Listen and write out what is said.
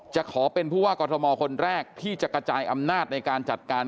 ขอเป็นผู้ว่ากรทมคนแรกที่จะกระจายอำนาจในการจัดการ